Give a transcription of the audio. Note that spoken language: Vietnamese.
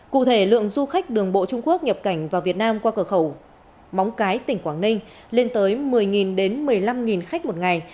cụ thể lượng du khách đường bộ trung quốc nhập cảnh vào việt nam qua cửa khẩu móng cái tỉnh quảng ninh lên tới một mươi một mươi năm khách một ngày